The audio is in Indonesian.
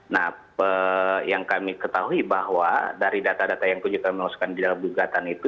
nah yang kami ketahui bahwa dari data data yang kami lakukan di dalam gugatan itu